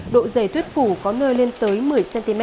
độ dày tuyết phủ có nơi lên tới một mươi cm